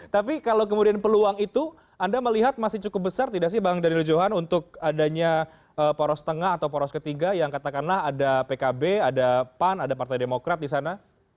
tapi kalau kemudian peluang itu anda melihat masih cukup besar tidak sih bang daniel johan untuk adanya poros tengah atau poros ketiga yang katakanlah ada pkb ada pan ada partai demokrat di sana